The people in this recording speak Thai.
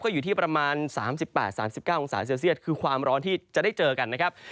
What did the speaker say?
อยู่ที่ประมาณ๓๘๓๙องศาเซลเซียตคือความร้อนที่จะได้เจอกันนะครับ